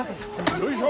よいしょ！